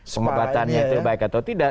pembatannya baik atau tidak